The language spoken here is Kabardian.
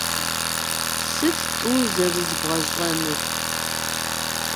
Сыт тӀу зэрызбгъэщӀынур?